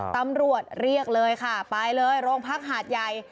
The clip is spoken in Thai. ตำรวจเรียกเลยค่ะไปเลยโรงพักหาดใหญ่